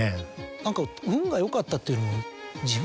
何か運がよかったっていうよりも。